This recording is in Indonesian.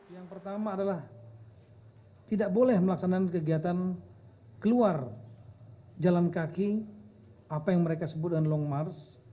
yang pertama adalah tidak boleh melaksanakan kegiatan keluar jalan kaki apa yang mereka sebut dengan long march